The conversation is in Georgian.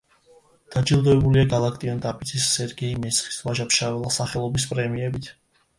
დაჯილდოებულია გალაკტიონ ტაბიძის, სერგეი მესხის, ვაჟა-ფშაველას სახელობის პრემიებით.